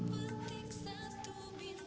benar apa kata orang